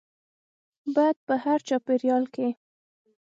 باید په هر چاپیریال کې